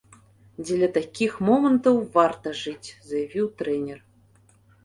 Дзеля такіх момантаў варта жыць, заявіў трэнер.